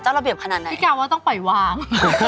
เจ้าระเบียบขนาดไหนพี่แกว่าต้องปล่อยวาง